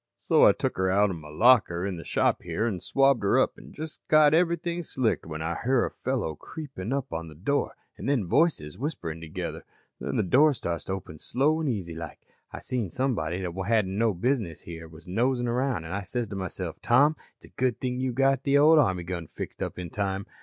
So I took 'er out of my locker in the shop here an' swabbed her up an' just got everything slicked when I hear a fellow creeping up to the door an' then voices whisperin' together. "Then the door starts to open slow an' easy like. I seen somebody what hadn't no business here was nosin' around an' I says to myself: 'Tom, it's a good thing you got the ol' army gun fixed up in time.'